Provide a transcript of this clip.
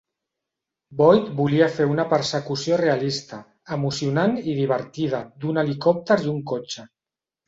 Boyd volia fer una persecució realista, emocionant i divertida d'un helicòpter i un cotxe.